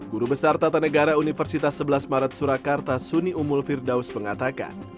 guru besar tata negara universitas sebelas maret surakarta suni umul firdaus mengatakan